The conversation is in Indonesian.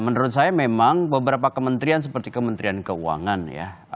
ya menurut saya memang beberapa kementrian seperti kementrian keuangan ya